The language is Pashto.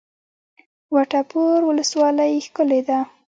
وټه پور ولسوالۍ ښکلې ده؟